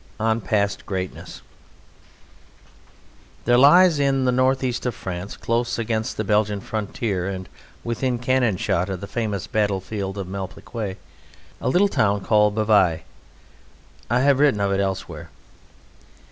On Past Greatness There lies in the North East of France, close against the Belgian frontier and within cannon shot of the famous battlefield of Malplaquet, a little town called Bavai I have written of it elsewhere.